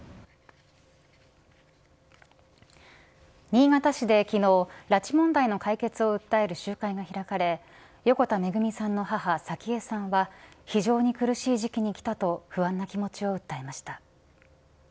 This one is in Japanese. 新潟市で昨日拉致問題の解決を訴える集会が開かれ横田めぐみさんの母早紀江さんは非常に苦しい時期にきたと不安な気持ちを訴えました。